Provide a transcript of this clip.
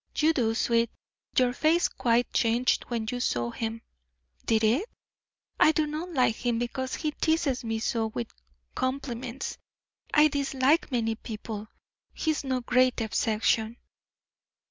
"You do, sweet; your face quite changed when you saw him." "Did it? I do not like him because he teases me so with compliments. I dislike many people; he is no great exception."